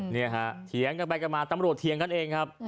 นี่ฮะเถียงกันไปกันมาตำรวจเถียงกันเองครับ